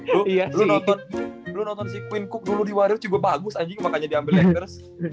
dulu nonton si queen cook dulu di wario juga bagus anjing makanya diambil lakers